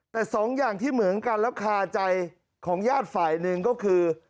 แต่สองอย่างที่เหมือนกันแล้วคาใจของญาติฝ่ายหนึ่งก็คือ